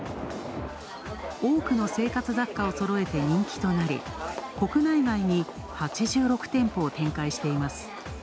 多くの生活雑貨をそろえて人気となり、国内外に８６店舗を展開しています。